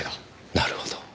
なるほど。